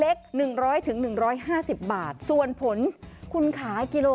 โอ้โห